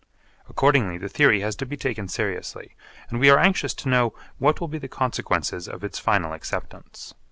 Accordingly the theory has to be taken seriously and we are anxious to know what will be the consequences of its final acceptance.